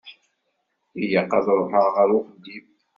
Ilaq ad ṛuḥeɣ ar uxeddim.